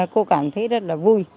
cô cảm thấy rất là vui